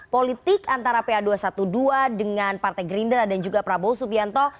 politik antara pa dua ratus dua belas dengan partai gerindra dan juga prabowo subianto